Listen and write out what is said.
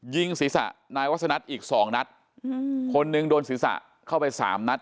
ยิงศีรษะนายวัสนัทอีก๒นัทคนหนึ่งโดนศีรษะเข้าไป๓นัท